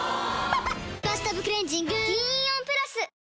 ・おぉ「バスタブクレンジング」銀イオンプラス！